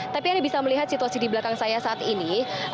tapi anda bisa melihat situasi di belakang saya saat ini